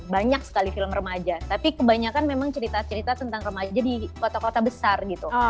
banyak sekali film remaja tapi kebanyakan memang cerita cerita tentang remaja di kota kota besar gitu